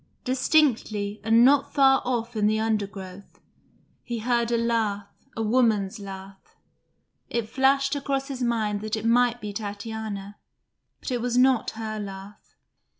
Distinctly, and not far off in the undergrowth, he heard a laugh, a woman's laugh. It flashed across his mind that it might be Tatiana, but it was not her laugh.